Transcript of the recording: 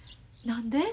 何で？